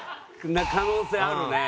な可能性あるね。